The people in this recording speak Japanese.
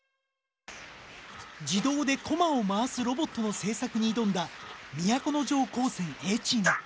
自動でコマを回すロボットの製作に挑んだ都城高専Ａチーム。